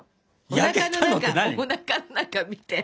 おなかの中おなかの中見て。